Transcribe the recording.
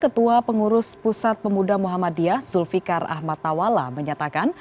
ketua pengurus pusat pemuda muhammadiyah zulfikar ahmad tawala menyatakan